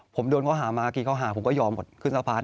ผมโดนเขาหามากี่เขาหาผมก็ยอมขึ้นสภาพรถ